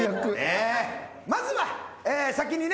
まずは先にね